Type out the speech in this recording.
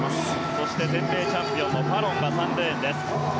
そして前回チャンピオンファロンが３レーンです。